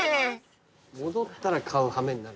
戻ったら買う羽目になる。